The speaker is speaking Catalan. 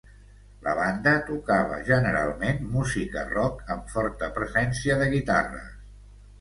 La banda tocava generalment música rock amb forta presència de guitarres.